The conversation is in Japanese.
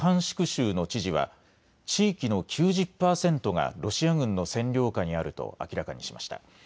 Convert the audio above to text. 州の知事は地域の９０％がロシア軍の占領下にあると明らかにしました。